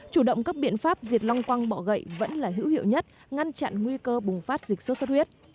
chủ động các biện pháp diệt long quăng bọ gậy vẫn là hữu hiệu nhất ngăn chặn nguy cơ bùng phát dịch sốt xuất huyết